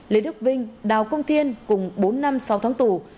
lê đức vinh đào công thiên cùng bốn năm sáu tháng tù